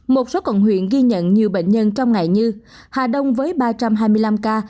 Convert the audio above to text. một số quận huyện ghi nhận nhiều bệnh nhân trong ngày như hà đông với ba trăm hai mươi năm ca